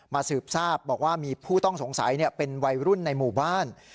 สืบทราบบอกว่ามีผู้ต้องสงสัยเป็นวัยรุ่นในหมู่บ้าน